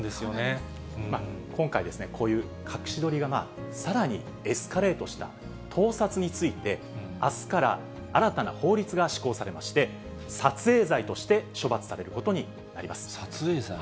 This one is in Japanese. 今回、こういう隠し撮りがさらにエスカレートした盗撮について、あすから新たな法律が施行されまして、撮影罪として処罰されることにな撮影罪。